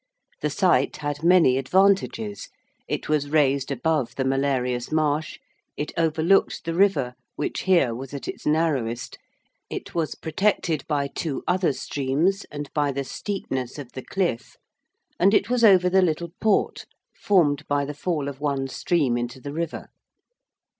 The site had many advantages: it was raised above the malarious marsh, it overlooked the river, which here was at its narrowest, it was protected by two other streams and by the steepness of the cliff, and it was over the little port formed by the fall of one stream into the river.